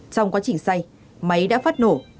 trong quá trình xay máy đã phát nổ